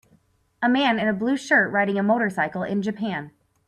A man in a blue shirt riding a motorcycle in Japan.